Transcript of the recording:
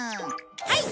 はい！